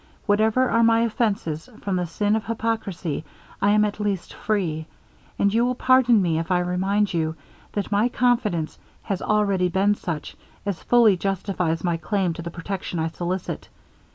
Whatever are my offences, from the sin of hypocrisy I am at least free; and you will pardon me if I remind you, that my confidence has already been such, as fully justifies my claim to the protection I solicit.